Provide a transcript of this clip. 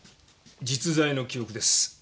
実在の記憶です。